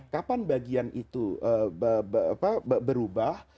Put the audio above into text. kapan bagian itu berubah